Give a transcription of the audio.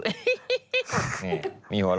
เห้ยมีหัวรอ